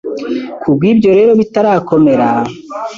Ku bw’ibyo rero bitarakomera ,